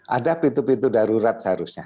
ada pintu pintu darurat seharusnya